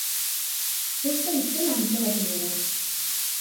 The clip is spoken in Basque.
Festa itzela antolatu dugu.